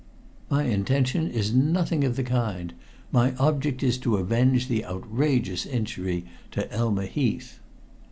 "My intention is nothing of the kind. My object is to avenge the outrageous injury to Elma Heath."